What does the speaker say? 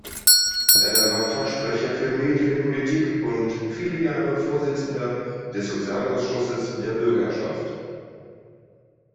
Er war Fachsprecher für Medienpolitik und viele Jahre Vorsitzender des Sozialausschusses der Bürgerschaft.